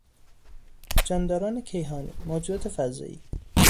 جانداران کیهانی، موجودات فضایی